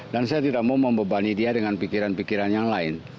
dan saya tidak mau membebani dia dengan pikiran pikiran yang lain